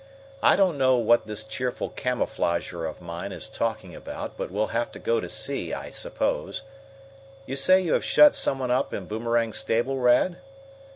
"I don't know what this cheerful camouflager of mine is talking about, but we'll have to go to see, I suppose. You say you have shut some one up in Boomerang's stable, Rad?"